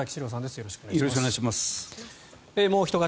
よろしくお願いします。